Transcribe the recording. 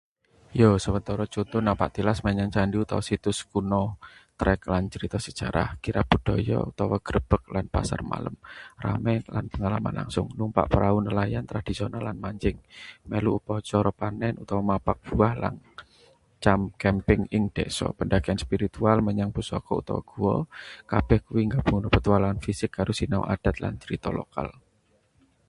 Yo, sawetara conto: napak tilas menyang candi utawa situs kuna ,trek lan crita sejarah; kirab budaya utawa grebeg lan pasar malam. rame lan pengalaman langsung. numpak prau nelayan tradisional lan mancing; melu upacara panen utawa mapag buah lan cam kemping ing desa; pendakian spiritual menyang pusaka utawa goa. Kabeh kuwi nggabungno petualangan fisik karo sinau adat lan crita lokal.